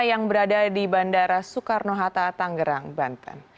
yang berada di bandara soekarno hatta tanggerang banten